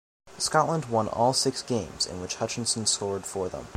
Scotland won all six games in which Hutchison scored for them.